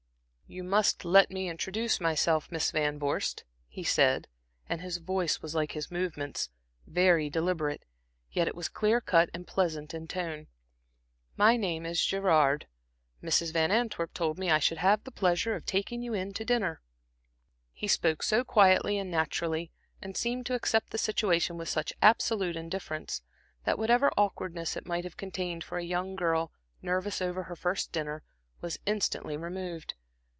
"You must let me introduce myself, Miss Van Vorst," he said, and his voice was like his movements, very deliberate, yet it was clear cut and pleasant in tone. "My name is Gerard. Mrs. Van Antwerp told me I should have the pleasure of taking you in to dinner." He spoke so quietly and naturally, and seemed to accept the situation with such absolute indifference, that whatever awkwardness it might have contained for a young girl nervous over her first dinner, was instantly removed.